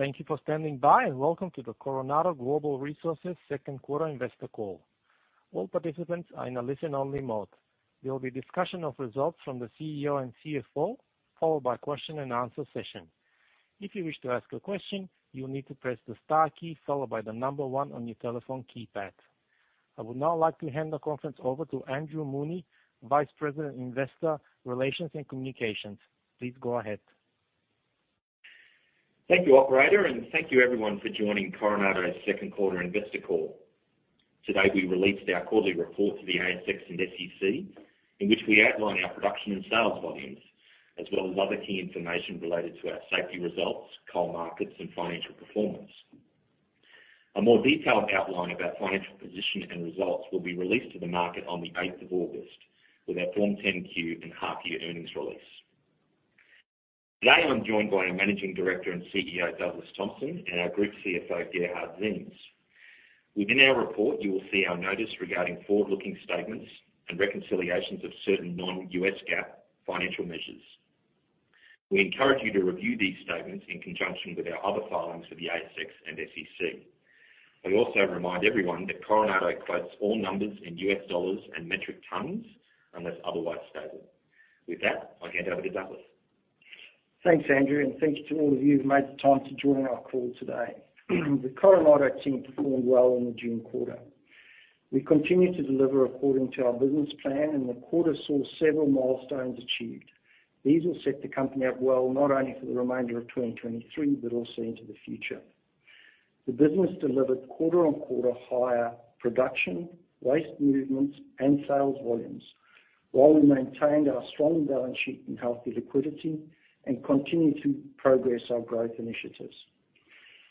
Thank you for standing by. Welcome to the Coronado Global Resources second quarter investor call. All participants are in a listen-only mode. There will be discussion of results from the CEO and CFO, followed by question-and-answer session. If you wish to ask a question, you will need to press the star key followed by one on your telephone keypad. I would now like to hand the conference over to Andrew Mooney, Vice President, Investor Relations and Communications. Please go ahead. Thank you, operator. Thank you everyone for joining Coronado's second quarter investor call. Today, we released our quarterly report to the ASX and SEC, in which we outline our production and sales volumes, as well as other key information related to our safety results, coal markets, and financial performance. A more detailed outline of our financial position and results will be released to the market on the eighth of August with our Form 10-Q and half year earnings release. Today, I'm joined by our Managing Director and CEO, Douglas Thompson, and our Group CFO, Gerhard Ziems. Within our report, you will see our notice regarding forward-looking statements and reconciliations of certain non-U.S. GAAP financial measures. We encourage you to review these statements in conjunction with our other filings for the ASX and SEC. I also remind everyone that Coronado quotes all numbers in U.S. dollars and metric tons unless otherwise stated. With that, I'll hand over to Douglas. Thanks, Andrew, thank you to all of you who've made the time to join our call today. The Coronado team performed well in the June quarter. We continue to deliver according to our business plan, the quarter saw several milestones achieved. These will set the company up well, not only for the remainder of 2023, but also into the future. The business delivered quarter-on-quarter higher production, waste movements, and sales volumes, while we maintained our strong balance sheet and healthy liquidity and continued to progress our growth initiatives.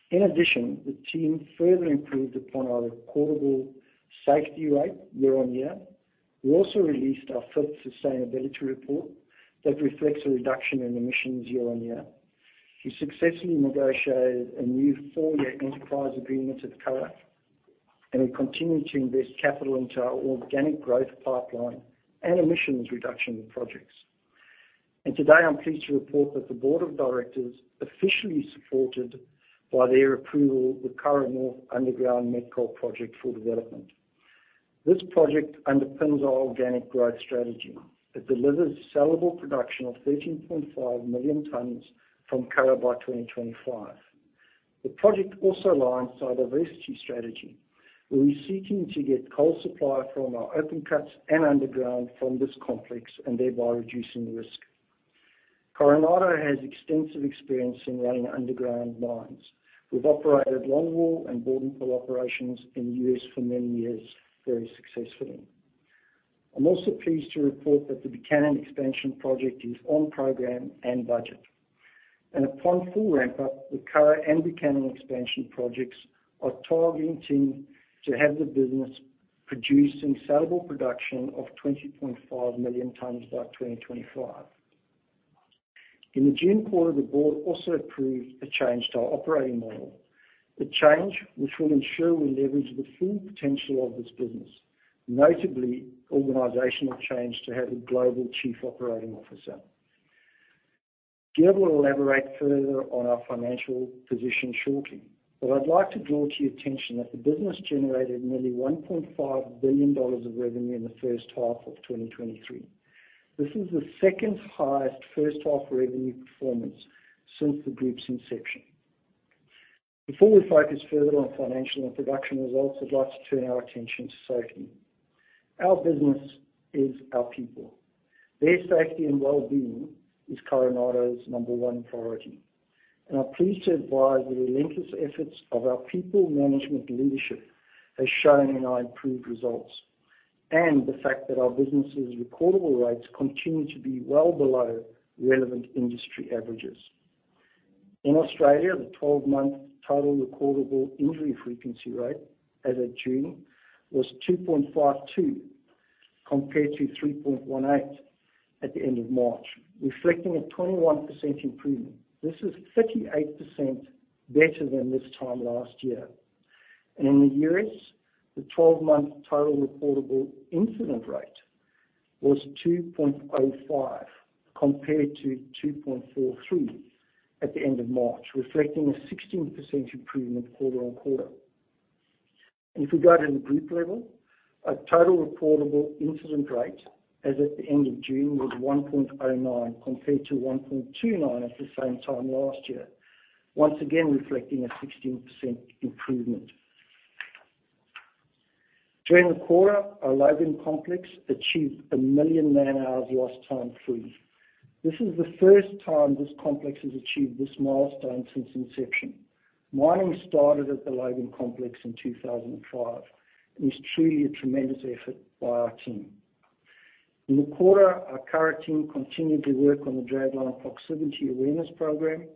In addition, the team further improved upon our recordable safety rate year-on-year. We also released our first sustainability report that reflects a reduction in emissions year-on-year. We successfully negotiated a new 4-year enterprise agreement at Curragh, we continued to invest capital into our organic growth pipeline and emissions reduction projects. Today, I'm pleased to report that the board of directors officially supported, by their approval, the Curragh North underground met coal project for development. This project underpins our organic growth strategy. It delivers sellable production of 13.5 million tons from Curragh by 2025. The project also aligns to our diversity strategy, where we're seeking to get coal supply from our open cuts and underground from this complex and thereby reducing the risk. Coronado has extensive experience in running underground mines. We've operated longwall and bord and pillar operations in the U.S. for many years, very successfully. I'm also pleased to report that the Buchanan expansion project is on program and budget, and upon full ramp-up, the Curragh and Buchanan expansion projects are targeting to have the business producing sellable production of 20.5 million tons by 2025. In the June quarter, the board also approved a change to our operating model. The change, which will ensure we leverage the full potential of this business, notably organizational change to have a global chief operating officer. Gerhard will elaborate further on our financial position shortly, I'd like to draw to your attention that the business generated nearly $1.5 billion of revenue in the first half of 2023. This is the second highest first half revenue performance since the group's inception. Before we focus further on financial and production results, I'd like to turn our attention to safety. Our business is our people. Their safety and well-being is Coronado's number one priority. I'm pleased to advise the relentless efforts of our people management leadership as shown in our improved results, and the fact that our business's recordable rates continue to be well below relevant industry averages. In Australia, the 12-month total recordable injury frequency rate as of June was 2.52 TRIFR, compared to 3.18 TRIFR at the end of March, reflecting a 21% improvement. This is 38% better than this time last year. In the U.S., the 12-month total recordable incident rate was 2.05 TRIFR, compared to 2.43 TRIFR at the end of March, reflecting a 16% improvement quarter-on-quarter. If we go to the group level, our total reportable incident rate as at the end of June was 1.09 TRIFR, compared to 1.29 TRIFR at the same time last year. Once again, reflecting a 16% improvement. During the quarter, our Logan Complex achieved 1 million man-hours lost time free. This is the first time this complex has achieved this milestone since inception. Mining started at the Logan Complex in 2005, and it's truly a tremendous effort by our team. In the quarter, our Curragh team continued to work on the Dragline Proximity Awareness program.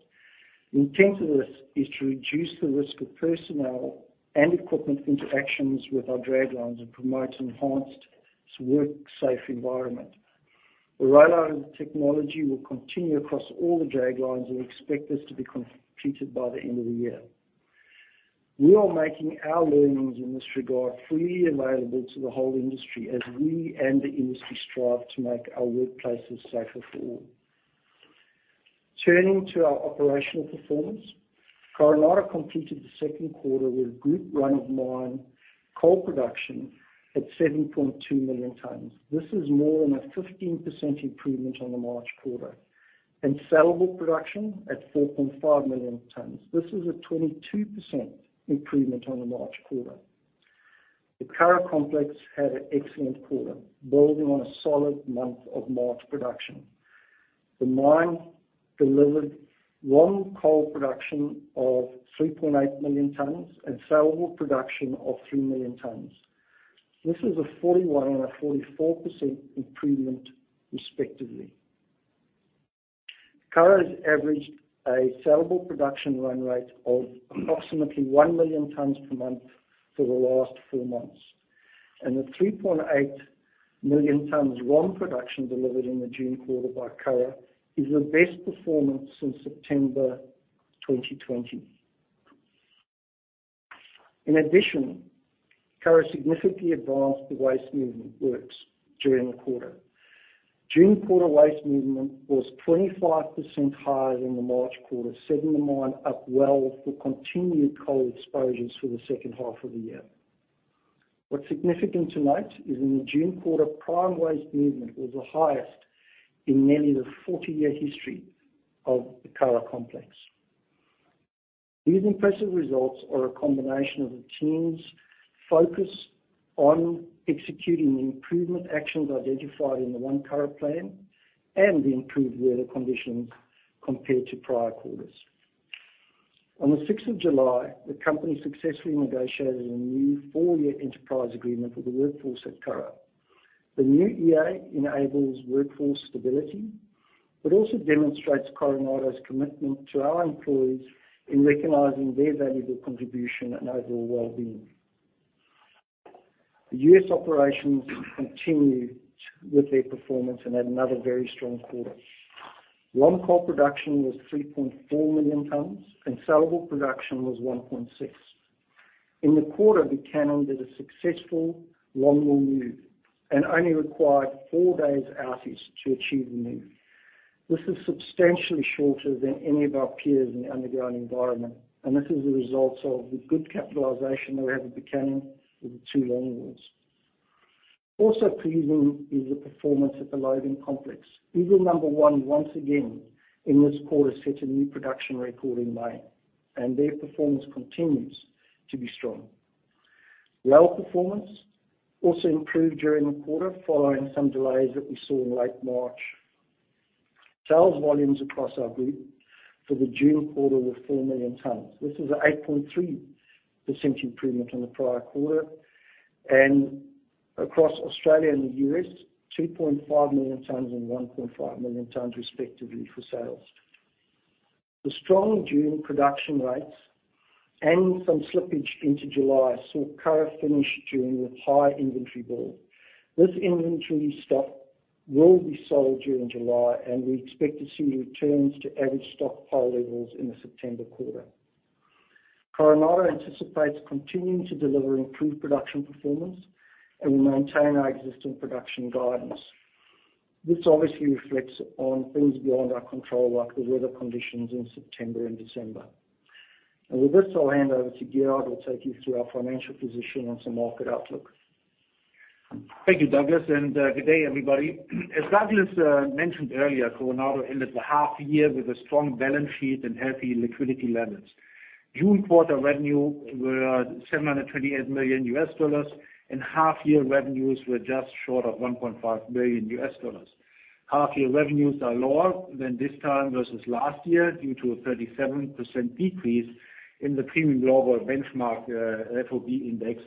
The intent of this is to reduce the risk of personnel and equipment interactions with our draglines and promote an enhanced work, safe environment. The rollout of the technology will continue across all the draglines. We expect this to be completed by the end of the year. We are making our learnings in this regard freely available to the whole industry, as we and the industry strive to make our workplaces safer for all. Turning to our operational performance, Coronado completed the second quarter with group run of mine coal production at 7.2 million tons. This is more than a 15% improvement on the March quarter. Sellable production at 4.5 million tons. This is a 22% improvement on the March quarter. The Curragh Complex had an excellent quarter, building on a solid month of March production. The mine delivered raw coal production of 3.8 million tons and sellable production of 3 million tons. This is a 41% and a 44% improvement, respectively. Curragh has averaged a sellable production run rate of approximately 1 million tons per month for the last four months, and the 3.8 million tons raw production delivered in the June quarter by Curragh is the best performance since September 2020. In addition, Curragh significantly advanced the waste movement works during the quarter. June quarter waste movement was 25% higher than the March quarter, setting the mine up well for continued coal exposures for the second half of the year. What's significant to note is in the June quarter, prime waste movement was the highest in nearly the 40-year history of the Curragh Complex. These impressive results are a combination of the team's focus on executing the improvement actions identified in the One Curragh Plan and the improved weather conditions compared to prior quarters. On the sixth of July, the company successfully negotiated a new four-year enterprise agreement with the workforce at Curragh. The new EA enables workforce stability, also demonstrates Coronado's commitment to our employees in recognizing their valuable contribution and overall well-being. The U.S. operations continued with their performance and had another very strong quarter. Raw coal production was 3.4 million tons. Sellable production was 1.6 million tons. In the quarter, Buchanan did a successful longwall move, only required four days outage to achieve the move. This is substantially shorter than any of our peers in the underground environment, this is a result of the good capitalization we have at Buchanan with the two longwalls. Also pleasing is the performance at the Logan Complex. Eagle Number 1, once again, in this quarter, set a new production record in May. Their performance continues to be strong. Rail performance also improved during the quarter, following some delays that we saw in late March. Sales volumes across our group for the June quarter were 4 million tons. This is an 8.3% improvement on the prior quarter, and across Australia and the U.S., 2.5 million tons and 1.5 million tons, respectively, for sales. The strong June production rates and some slippage into July saw Curragh finish June with high inventory build. This inventory stock will be sold during July, and we expect to see returns to average stockpile levels in the September quarter. Coronado anticipates continuing to deliver improved production performance, and we maintain our existing production guidance. This obviously reflects on things beyond our control, like the weather conditions in September and December. With this, I'll hand over to Gerhard, who will take you through our financial position and some market outlook. Thank you, Douglas. Good day, everybody. As Douglas mentioned earlier, Coronado ended the half year with a strong balance sheet and healthy liquidity levels. June quarter revenue were $728 million, and half-year revenues were just short of $1.5 billion. Half-year revenues are lower than this time versus last year, due to a 37% decrease in the Premium Low Vol Benchmark FOB Index.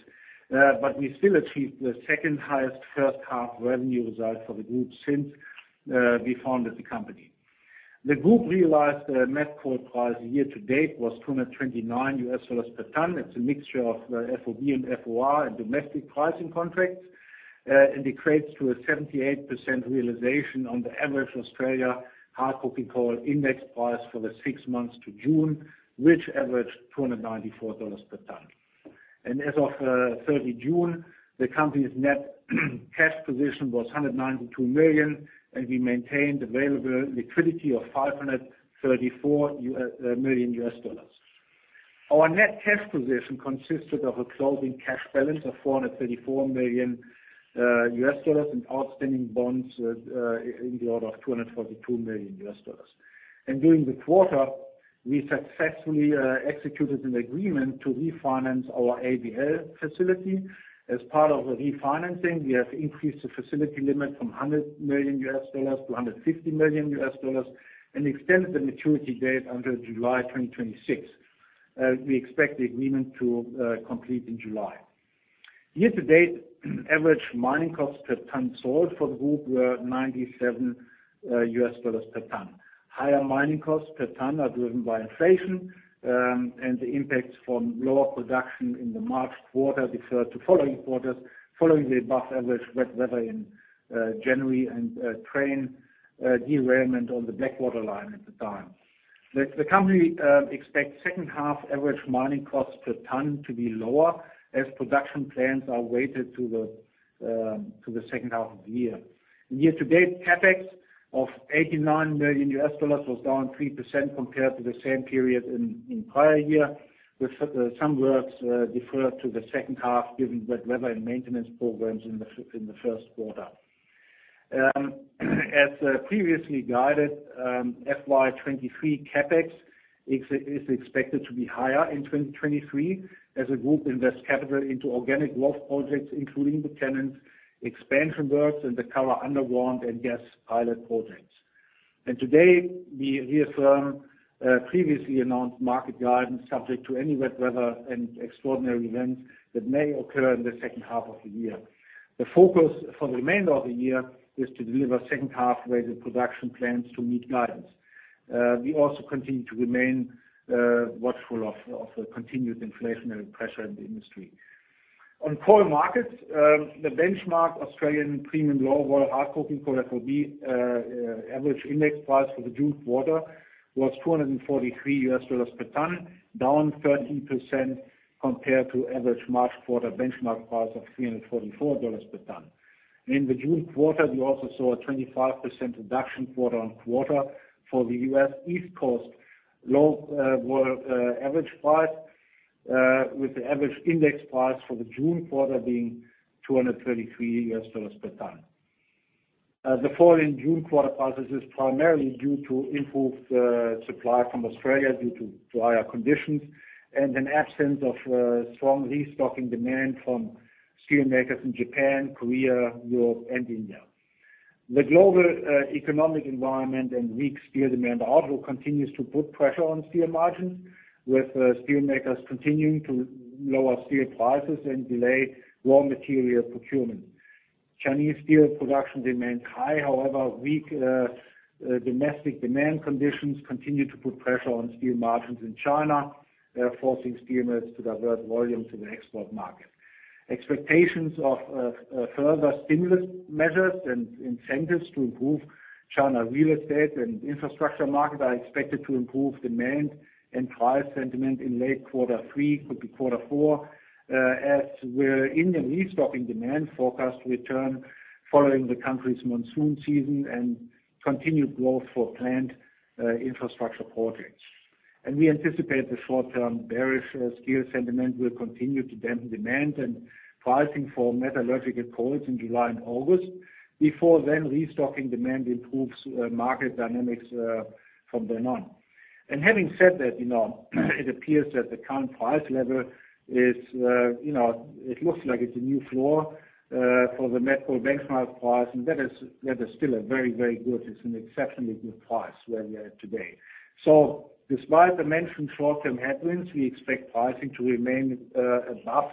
We still achieved the second highest first half revenue result for the group since we founded the company. The group realized net coal price year to date was $229 per ton. It's a mixture of FOB and FOR and domestic pricing contracts, equates to a 78% realization on the average Australian coking coal index price for the 6 months to June, which averaged $294 per ton. As of June 30, the company's net cash position was $192 million, and we maintained available liquidity of $534 million. Our net cash position consisted of a closing cash balance of $434 million and outstanding bonds in the order of $242 million. During the quarter, we successfully executed an agreement to refinance our ABL facility. As part of the refinancing, we have increased the facility limit from $100 million to $150 million, and extended the maturity date until July 2026. We expect the agreement to complete in July. Year to date, average mining costs per ton sold for the group were $97 per ton. Higher mining costs per ton are driven by inflation, and the impacts from lower production in the March quarter deferred to following quarters, following the above-average wet weather in January and train derailment on the Blackwater line at the time. The company expects second half average mining cost per ton to be lower as production plans are weighted to the second half of the year. Year-to-date CapEx of $89 million was down 3% compared to the same period in prior year, with some works deferred to the second half given wet weather and maintenance programs in the first quarter. As previously guided, FY 2023 CapEx is expected to be higher in 2023 as the group invests capital into organic growth projects, including the Tenas expansion works and the Curragh underground and gas pilot projects. Today, we reaffirm previously announced market guidance, subject to any wet weather and extraordinary events that may occur in the second half of the year. The focus for the remainder of the year is to deliver second half weighted production plans to meet guidance. We also continue to remain watchful of continued inflationary pressure in the industry. On coal markets, the benchmark Australian premium low-vol hard coking coal, FOB, average index price for the June quarter was $243 per ton, down 13% compared to average March quarter benchmark price of $344 per ton. In the June quarter, we also saw a 25% reduction quarter-on-quarter for the U.S. East Coast low vol average price, with the average index price for the June quarter being $233 per ton. The fall in June quarter prices is primarily due to improved supply from Australia due to drier conditions and an absence of strong restocking demand from steelmakers in Japan, Korea, Europe, and India. The global economic environment and weak steel demand outlook continues to put pressure on steel margins, with steelmakers continuing to lower steel prices and delay raw material procurement. Chinese steel production remains high, however, weak domestic demand conditions continue to put pressure on steel margins in China, forcing steel mills to divert volume to the export market. Expectations of further stimulus measures and incentives to improve China real estate and infrastructure market are expected to improve demand and price sentiment in late quarter three could be quarter four, as where Indian restocking demand forecast return following the country's monsoon season and continued growth for planned infrastructure projects. We anticipate the short-term bearish steel sentiment will continue to dampen demand and pricing for metallurgical coals in July and August, before then, restocking demand improves market dynamics from then on. Having said that, you know, it appears that the current price level is, you know, it looks like it's a new floor for the met coal benchmark price, and that is still a very, very good, it's an exceptionally good price where we are today. Despite the mentioned short-term headwinds, we expect pricing to remain above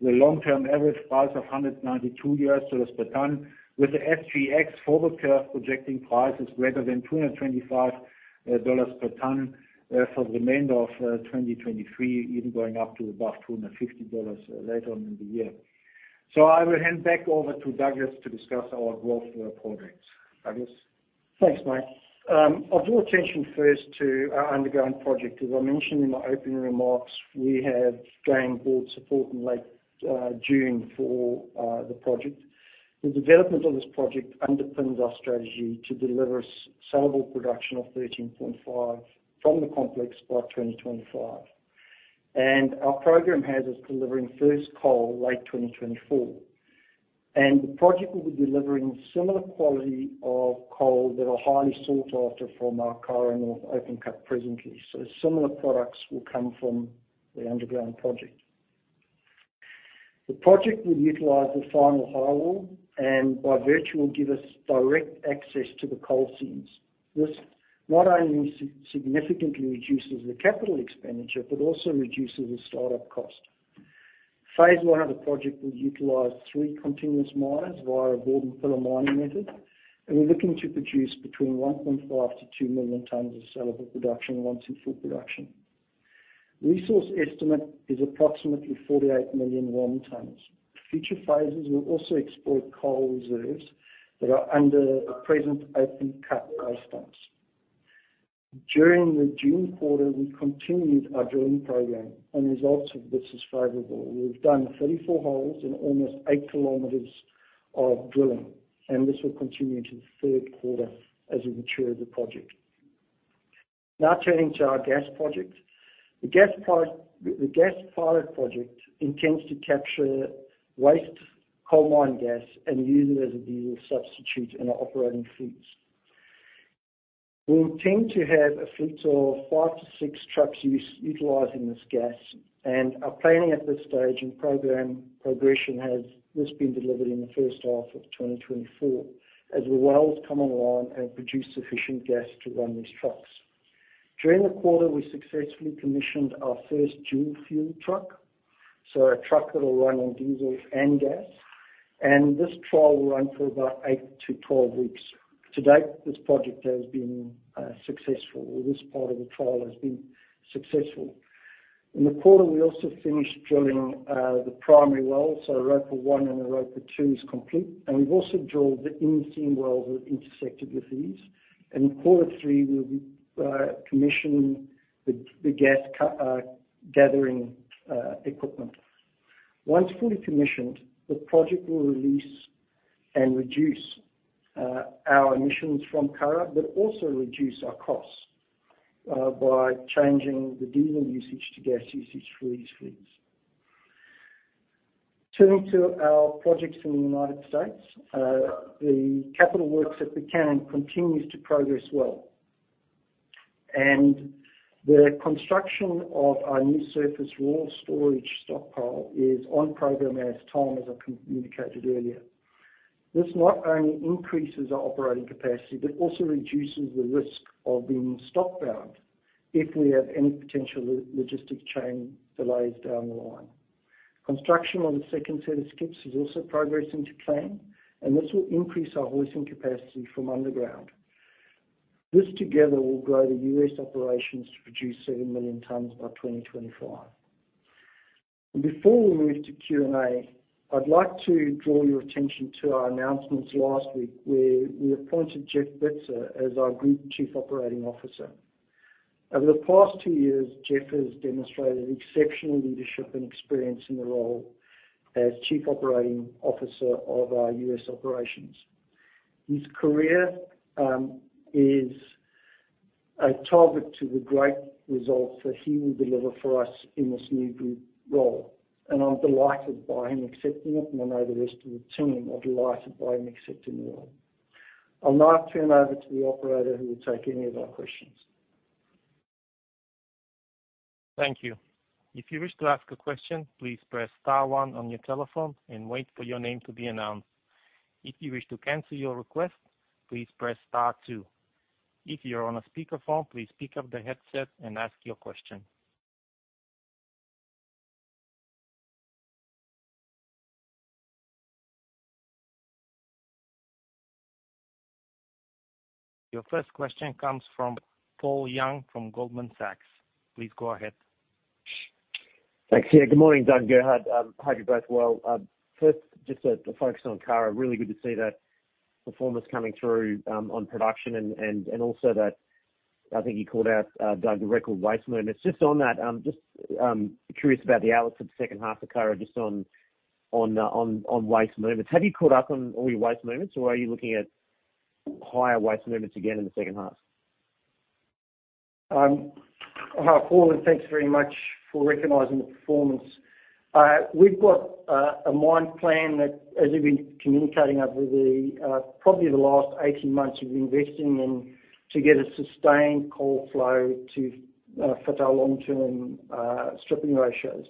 the long-term average price of $192 per ton, with the SGX forward curve projecting prices greater than $225 per ton for the remainder of 2023, even going up to above $250 later on in the year. I will hand back over to Douglas to discuss our growth projects. Douglas? Thanks, Mike. I'll draw attention first to our underground project. As I mentioned in my opening remarks, we have gained board support in late June for the project. The development of this project underpins our strategy to deliver saleable production of 13.5 million ton from the complex by 2025. Our program has us delivering first coal late 2024. The project will be delivering similar quality of coal that are highly sought after from our Curragh North open cut presently. Similar products will come from the underground project. The project will utilize the final highwall and by virtue, will give us direct access to the coal seams. This not only significantly reduces the capital expenditure, but also reduces the start-up cost. Phase one of the project will utilize 3 continuous miners via a bord and pillar mining method, and we're looking to produce between 1.5 million-2 million tons of saleable production once in full production. Resource estimate is approximately 48 million mined tons. Future phases will also exploit coal reserves that are under a present open cut license. During the June quarter, we continued our drilling program, and the results of this is favorable. We've done 34 holes and almost 8 km of drilling, and this will continue into the 3rd Quarter as we mature the project. Turning to our gas project. The gas pilot project intends to capture waste coal mine gas and use it as a diesel substitute in our operating fleets. We intend to have a fleet of five to six trucks utilizing this gas, and our planning at this stage and program progression has this been delivered in the first half of 2024, as the wells come online and produce sufficient gas to run these trucks. During the quarter, we successfully commissioned our first dual-fuel truck, so a truck that will run on diesel and gas, and this trial will run for about 8 to 12 weeks. To date, this project has been successful, or this part of the trial has been successful. In the quarter, we also finished drilling the primary well, so Roper One and Roper Two is complete, and we've also drilled the in-seam wells that intersected with these. In quarter three, we'll be commissioning the gas gathering equipment. Once fully commissioned, the project will release and reduce our emissions from Curragh, but also reduce our costs by changing the diesel usage to gas usage for these fleets. Turning to our projects in the United States, the capital works at Buchanan continues to progress well. The construction of our new surface raw storage stockpile is on program and as time, as I communicated earlier. This not only increases our operating capacity, but also reduces the risk of being stock bound if we have any potential logistics chain delays down the line. Construction on the second set of skips is also progressing to plan, and this will increase our hoisting capacity from underground. This together will grow the U.S. operations to produce 7 million tons by 2025. Before we move to Q&A, I'd like to draw your attention to our announcements last week, where we appointed Jeff Bitzer as our Group Chief Operating Officer. Over the past two years, Jeff has demonstrated exceptional leadership and experience in the role as Chief Operating Officer of our U.S. operations. His career is a target to the great results that he will deliver for us in this new group role, and I'm delighted by him accepting it, and I know the rest of the team are delighted by him accepting the role. I'll now turn over to the operator, who will take any of our questions. Thank you. If you wish to ask a question, please press star one on your telephone and wait for your name to be announced. If you wish to cancel your request, please press star two. If you are on a speakerphone, please pick up the headset and ask your question. Your first question comes from Paul Young from Goldman Sachs. Please go ahead. Thanks. Good morning, Doug and Gerhard. Hope you're both well. First, just to focus on Curragh. Really good to see that performance coming through on production and also that, I think you called out, Doug, the record waste movements. Just on that, just curious about the outlook for the second half of Curragh, just on waste movements. Have you caught up on all your waste movements, or are you looking at higher waste movements again in the second half? Hi, Paul, and thanks very much for recognizing the performance. We've got a mine plan that, as we've been communicating over the probably the last 18 months, we've been investing in to get a sustained coal flow to for our long-term stripping ratios.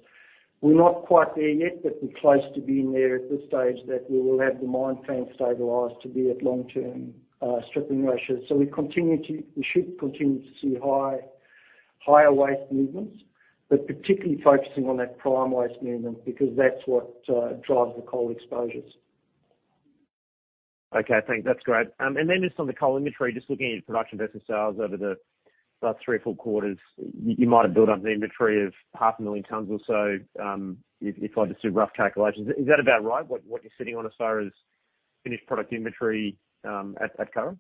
We're not quite there yet, but we're close to being there at this stage that we will have the mine plan stabilized to be at long-term stripping ratios. We continue to, we should continue to see higher waste movements, but particularly focusing on that prime waste movement, because that's what drives the coal exposures. Okay, thanks. That's great. Then just on the coal inventory, just looking at your production versus sales over the last three or four quarters, you might have built up an inventory of half a million tons or so, if I just do rough calculations. Is that about right, what you're sitting on as far as finished product inventory at Curragh?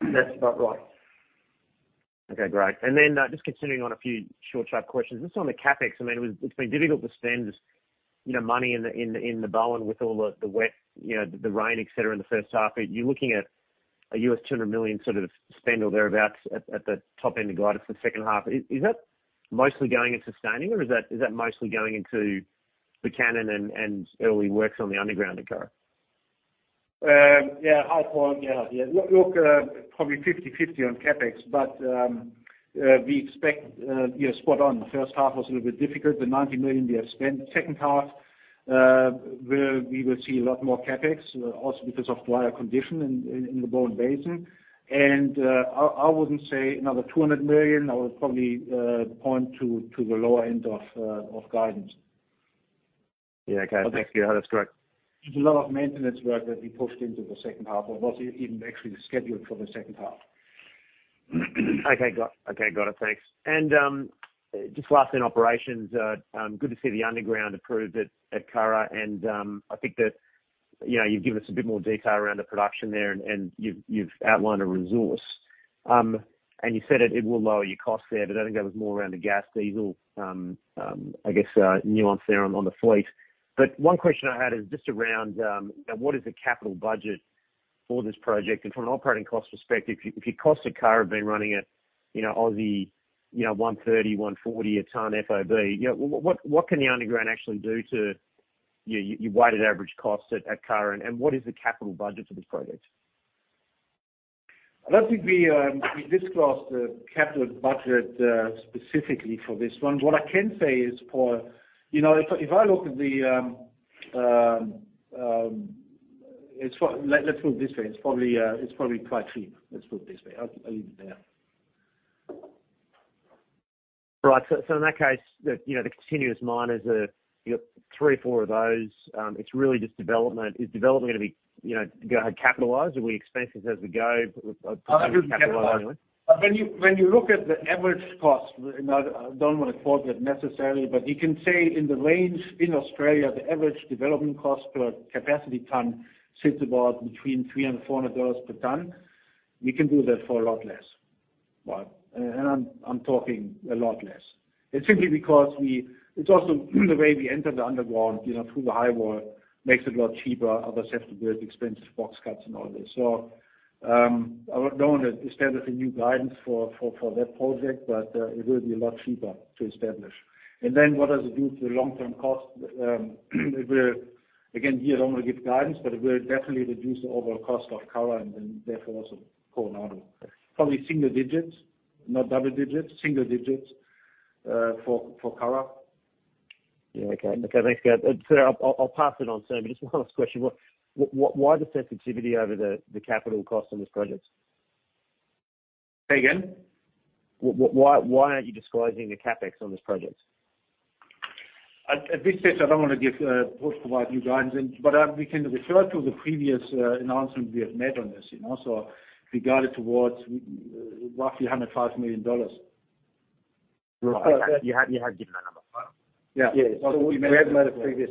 That's about right. Okay, great. Just continuing on a few short sharp questions. Just on the CapEx, I mean, it's been difficult to spend, you know, money in the Bowen with all the wet, you know, the rain, et cetera, in the first half. Are you looking at a $200 million sort of spend or thereabout at the top end of guidance for the second half? Is that mostly going into sustaining, or is that mostly going into Buchanan and early works on the underground at Curragh? Yeah, hi, Paul. Yeah, yeah. Look, probably 50/50 on CapEx, but we expect, spot on. The first half was a little bit difficult. The $90 million we have spent. The second half, where we will see a lot more CapEx, also because of drier condition in the Bowen Basin. I wouldn't say another $200 million. I would probably point to the lower end of guidance. Yeah. Okay. Thanks, Gerhard. That's great. There's a lot of maintenance work that we pushed into the second half, but was even actually scheduled for the second half. Okay, got it. Thanks. Just last in operations. Good to see the underground approved at Curragh, and I think that, you know, you've given us a bit more detail around the production there, and you've outlined a resource. You said it will lower your costs there, but I think that was more around the gas, diesel, I guess, nuance there on the fleet. One question I had is just around what is the capital budget for this project? From an operating cost perspective, if your costs at Curragh have been running at, you know, Aussie, 130, 140 a ton FOB, what can the underground actually do to your weighted average cost at Curragh? What is the capital budget for this project? I don't think we disclosed the capital budget specifically for this one. What I can say is, Paul, you know, if I look at the. Let's put it this way: It's probably quite cheap. Let's put it this way. I'll leave it there. Right. In that case, the, you know, the continuous mine is, you got 3 or 4 of those. It's really just development. Is development gonna be, you know, go ahead, capitalized? Are we expenses as we go? It would be capitalized. When you look at the average cost, and I don't want to quote that necessarily, you can say in the range in Australia, the average development cost per capacity ton sits about between $300-$400 per ton. We can do that for a lot less. And I'm talking a lot less. It's simply because it's also the way we enter the underground, you know, through the highwall, makes it a lot cheaper. Others have to build expensive box cuts and all this. I don't want to establish a new guidance for that project. It will be a lot cheaper to establish. What does it do to the long-term cost? We're, again, we don't want to give guidance, but it will definitely reduce the overall cost of Curragh and then therefore, also Coronado. Probably single digits, not double digits, single digits, for Curragh. Yeah. Okay. Okay, thanks, guys. I'll pass it on, Sam, just one last question. Why the sensitivity over the capital cost on this project? Say again. Why aren't you disclosing the CapEx on this project? At this stage, I don't want to give, provide new guidance. We can refer to the previous announcement we have made on this, you know. We guided towards roughly $105 million. You had given that number? Yeah. Yes. We made a previous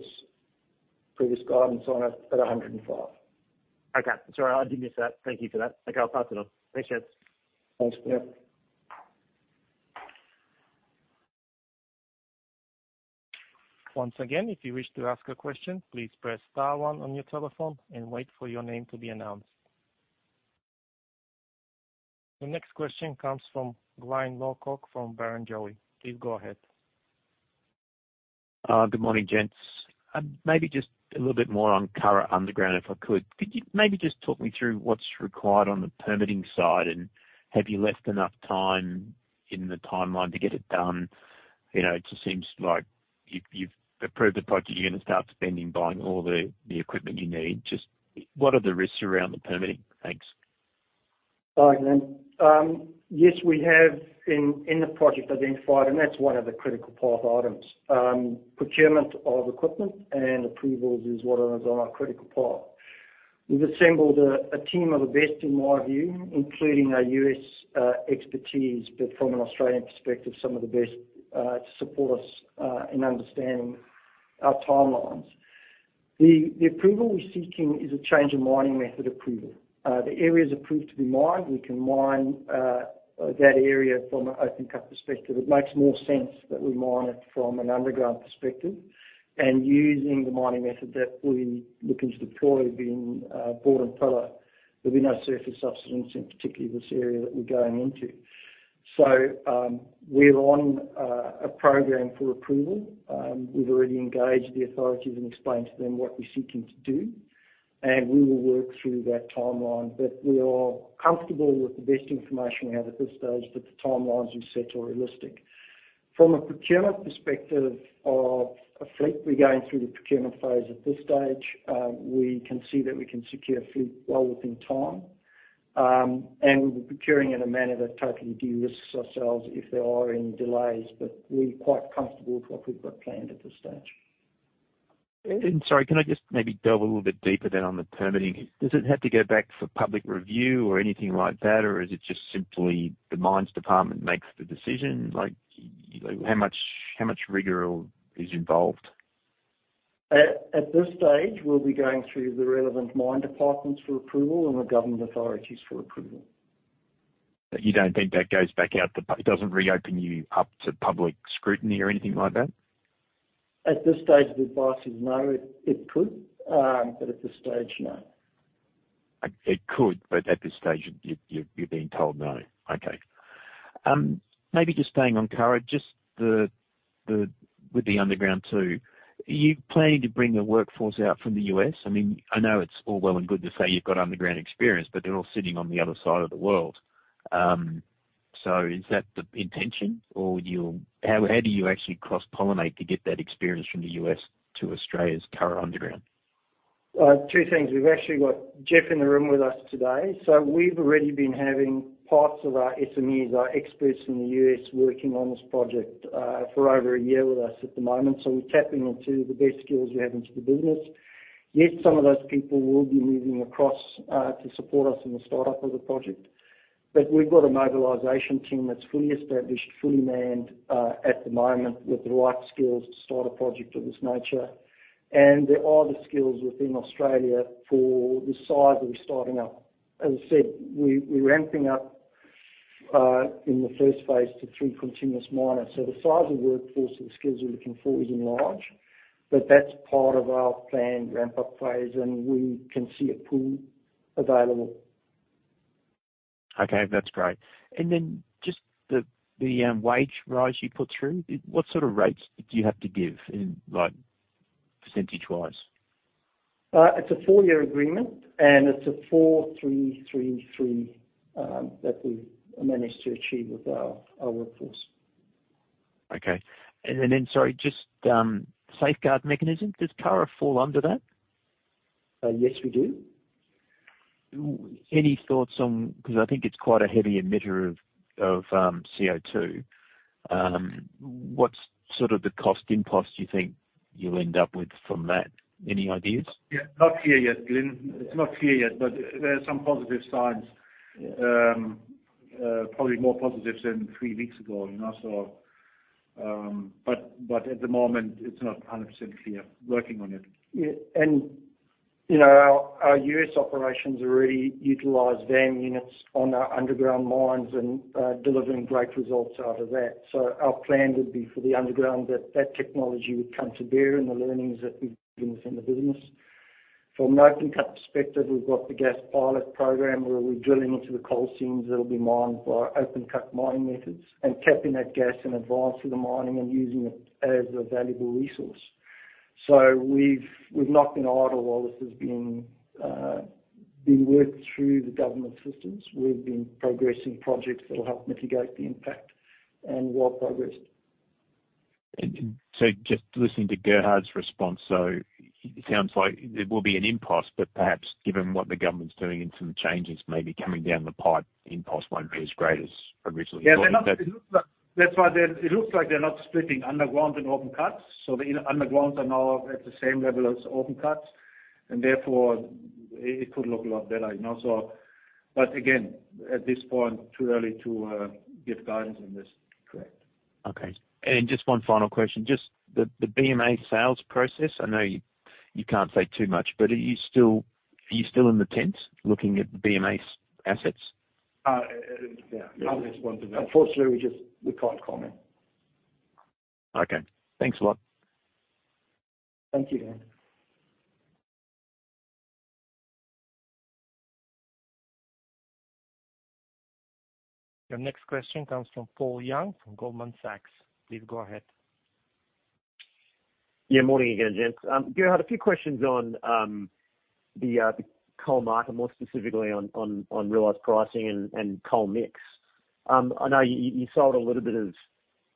guidance on it at $105. Okay. Sorry, I did miss that. Thank you for that. Okay, I'll pass it on. Appreciate it. Thanks. Yeah. Once again, if you wish to ask a question, please press star one on your telephone and wait for your name to be announced. The next question comes from Glyn Lawcock from Barrenjoey. Please go ahead. Good morning, gents. Maybe just a little bit more on Curragh underground, if I could. Could you maybe just talk me through what's required on the permitting side, have you left enough time in the timeline to get it done? You know, it just seems like you've approved the project. You're going to start spending, buying all the equipment you need. Just what are the risks around the permitting? Thanks. Hi, Glyn. Yes, we have in the project identified, and that's one of the critical path items. Procurement of equipment and approvals is what is on our critical path. We've assembled a team of the best, in my view, including our U.S. expertise, but from an Australian perspective, some of the best to support us in understanding our timelines. The approval we're seeking is a change in mining method approval. The area is approved to be mined. We can mine that area from an open cut perspective. It makes more sense that we mine it from an underground perspective, and using the mining method that we're looking to deploy, being bord and pillar. There'll be no surface subsidence, in particular, this area that we're going into. We're on a program for approval. We've already engaged the authorities and explained to them what we're seeking to do, and we will work through that timeline. We are comfortable with the best information we have at this stage that the timelines we set are realistic. From a procurement perspective of a fleet, we're going through the procurement phase at this stage. We can see that we can secure a fleet well within time, and we'll be procuring in a manner that totally derisks ourselves if there are any delays. We're quite comfortable with what we've got planned at this stage. Sorry, can I just maybe delve a little bit deeper then on the permitting? Does it have to go back for public review or anything like that, or is it just simply the mines department makes the decision? Like, how much rigor is involved? At this stage, we'll be going through the relevant mine departments for approval and the government authorities for approval. You don't think that goes back out it doesn't reopen you up to public scrutiny or anything like that? At this stage, the advice is no. It could, but at this stage, no. It could. At this stage, you're being told no. Okay. Maybe just staying on Curragh, with the underground, too. Are you planning to bring the workforce out from the U.S.? I mean, I know it's all well and good to say you've got underground experience, but they're all sitting on the other side of the world. Is that the intention, or you'll. How do you actually cross-pollinate to get that experience from the U.S. to Australia's Curragh underground? Two things. We've actually got Jeff in the room with us today. We've already been having parts of our SMEs, our experts in the U.S., working on this project for over a year with us at the moment. We're tapping into the best skills we have into the business. Yes, some of those people will be moving across to support us in the start-up of the project. We've got a mobilization team that's fully established, fully manned at the moment, with the right skills to start a project of this nature. There are the skills within Australia for the size that we're starting up. As I said, we're ramping up in the first phase to 3 continuous miners. The size of workforce and the skills we're looking for is large, but that's part of our planned ramp-up phase, and we can see a pool available. Okay, that's great. Just the wage rise you put through, what sort of rates do you have to give in, like, percentage-wise? It's a 4-year agreement, and it's a 4, 3, 3, that we've managed to achieve with our workforce. Okay. Then, sorry, just, Safeguard Mechanism, does Curragh fall under that? Yes, we do. Any thoughts on. Because I think it's quite a heavy emitter of CO2. What's sort of the cost impulse you think you'll end up with from that? Any ideas? Yeah, not clear yet, Glyn. It's not clear yet, but there are some positive signs. Probably more positive than three weeks ago, you know, but at the moment, it's not 100% clear. Working on it. You know, our U.S. operations already utilize fan units on our underground mines and delivering great results out of that. Our plan would be for the underground, that technology would come to bear and the learnings that we've within the business. From an open cut perspective, we've got the gas pilot program, where we're drilling into the coal seams that will be mined by open cut mining methods and tapping that gas in advance of the mining and using it as a valuable resource. We've not been idle while this has been worked through the government systems. We've been progressing projects that will help mitigate the impact and well progressed. Just listening to Gerhard's response, so it sounds like it will be an impasse, but perhaps, given what the government's doing and some changes may be coming down the pipe, the impasse won't be as great as originally thought. It looks like they're not splitting underground and open cuts. Underground are now at the same level as open cuts, therefore, it could look a lot better, you know. Again, at this point, too early to give guidance on this. Correct. Okay. Just one final question, just the BMA sales process, I know you can't say too much, are you still in the tent looking at BMA's assets? Yeah. Unfortunately, we just, we can't comment. Okay, thanks a lot. Thank you, Glyn. Your next question comes from Paul Young, from Goldman Sachs. Please go ahead. Yeah, morning again, gents. Gerhard, a few questions on the coal market, more specifically on realized pricing and coal mix. I know you sold a little bit of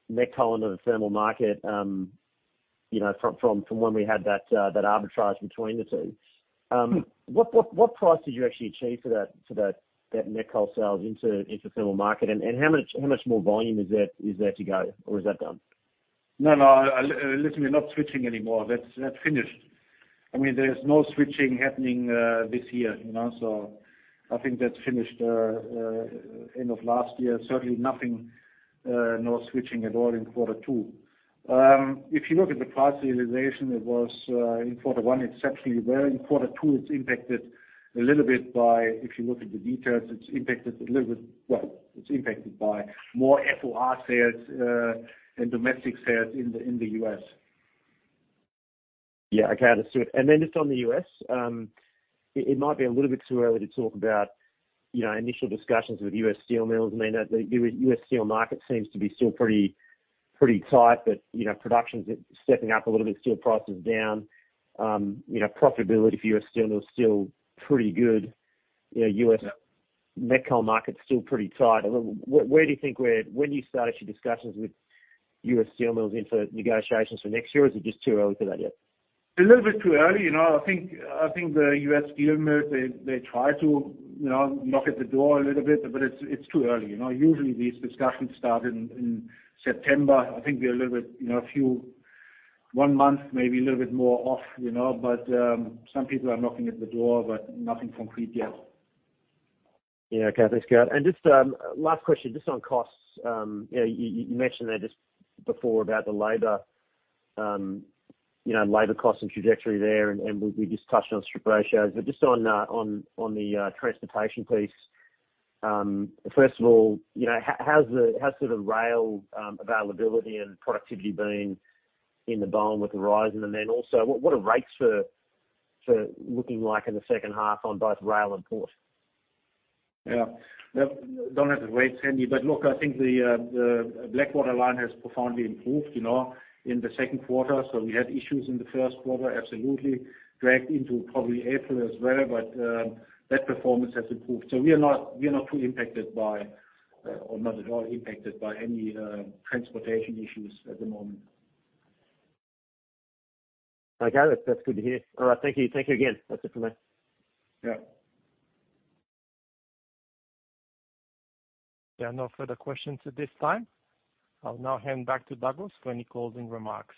met coal into the thermal market, you know, from when we had that arbitrage between the two. What price did you actually achieve for that met coal sales into the thermal market? How much more volume is there to go, or is that done? No, no, listen, we're not switching anymore. That's finished. I mean, there's no switching happening this year, you know. I think that's finished end of last year. Certainly nothing, no switching at all in quarter two. If you look at the price realization, it was in quarter one, it's actually where in quarter two, if you look at the details, it's impacted by more FOR sales and domestic sales in the U.S.. Okay, I understood. Just on the U.S., it might be a little bit too early to talk about, you know, initial discussions with U.S. steel mills. I mean, the U.S. steel market seems to be still pretty tight, but, you know, production is stepping up a little bit, steel prices down. You know, profitability for U.S. steel mills still pretty good. You know, U.S. met coal market is still pretty tight. When do you start actually discussions with U.S. steel mills into negotiations for next year, or is it just too early for that yet? A little bit too early. You know, I think the U.S. steel mills, they try to, you know, knock at the door a little bit, but it's too early. You know, usually these discussions start in September. I think we're a little bit, you know, a few, one month, maybe a little bit more off, you know, but some people are knocking at the door, but nothing concrete yet. Yeah, okay. Thanks, Gerhard. Just last question, just on costs. You mentioned that just before about the labor, you know, labor costs and trajectory there, and we just touched on strip ratios. Just on the transportation piece, first of all, you know, how's the sort of rail availability and productivity been in the Bowen with the rise? Then also, what are rates for looking like in the second half on both rail and port? Yeah. Don't have the rates handy, but look, I think the Blackwater line has profoundly improved, you know, in the second quarter. We had issues in the first quarter, absolutely, dragged into probably April as well, but that performance has improved. We are not too impacted by, or not at all impacted by any transportation issues at the moment. Okay, that's good to hear. All right. Thank you. Thank you again. That's it for me. Yeah. There are no further questions at this time. I'll now hand back to Douglas for any closing remarks.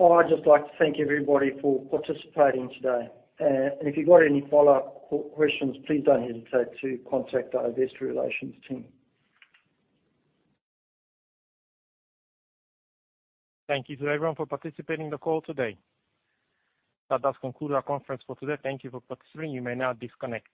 I'd just like to thank everybody for participating today. If you've got any follow-up questions, please don't hesitate to contact our investor relations team. Thank you to everyone for participating in the call today. That does conclude our conference for today. Thank you for participating. You may now disconnect.